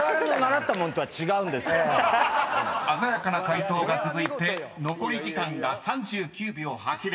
［鮮やかな解答が続いて残り時間が３９秒８０］